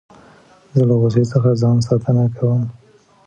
زه له غوسې څخه ځان ساتنه کوم.